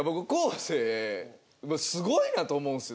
生すごいなと思うんですよ。